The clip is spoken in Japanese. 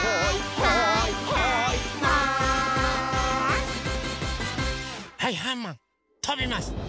はいはいマンとびます！